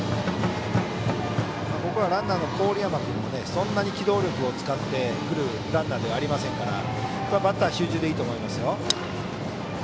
ランナーの郡山君もそんなに機動力を使ってくるランナーではありませんからバッター集中でいいと思います。